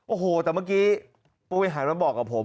โอ้โหแต่เมื่อกี้ผู้บริหารมาบอกกับผม